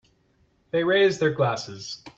They raise their glasses.